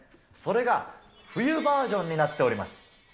それが冬バージョンになっております。